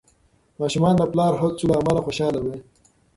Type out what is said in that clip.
ماشومان د پلار د هڅو له امله خوشحال وي.